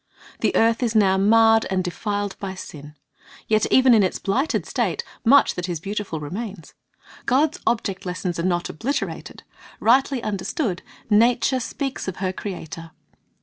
The earth is now marred and defiled by sin. Yet even in its blighted state, much that is beautiful remains. God's object lessons are not obliterated ; rightly understood, nature speaks of her Creator.